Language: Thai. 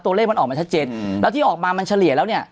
ตัวเลขมันออกมาชัดเจนแล้วที่ออกมามันเฉลี่ยแล้วเนี่ย